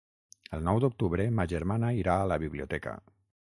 El nou d'octubre ma germana irà a la biblioteca.